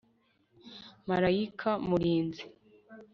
malayika murinzi